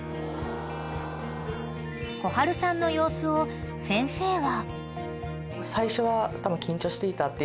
［こはるさんの様子を先生は］